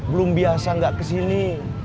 belum biasa gak kesini